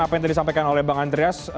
apa yang tadi disampaikan oleh bang andreas